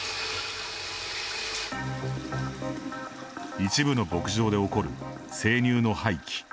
一部の牧場で起こる生乳の廃棄。